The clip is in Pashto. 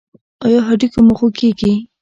ایا هډوکي مو خوږیږي؟